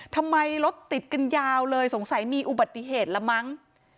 ทำไมรถติดกันยาวเลยสงสัยมีอุบัติเหตุละมั้ง